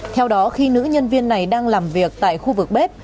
theo đó khi nữ nhân viên này đang làm việc tại khu vực bếp